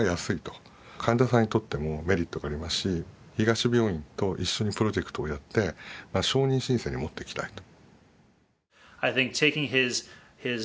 患者さんにとってもメリットがありますし東病院と一緒にプロジェクトをやって承認申請に持っていきたいと。